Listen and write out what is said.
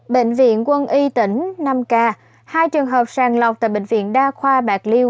bệnh viện quân y tỉnh năm k hai trường hợp sàng lọc tại bệnh viện đa khoa bạc liêu